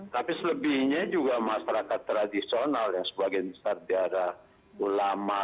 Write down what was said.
tapi selebihnya juga masyarakat tradisional yang sebagian besar di arah ulama